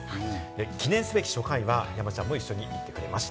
記念すべき初回は、山ちゃんも一緒に行ってくれました。